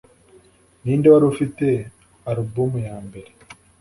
Ninde wari ufite alubumu yambere